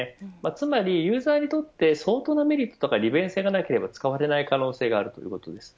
つまりユーザーにとって相当のメリットや利便性がなければ使われない可能性があります。